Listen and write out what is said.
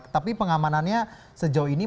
tapi pengamanannya sejauh ini